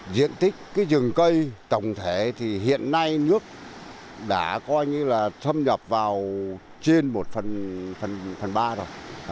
diện tích cái rừng cây tổng thể thì hiện nay nước đã coi như là thâm nhập vào trên một phần ba rồi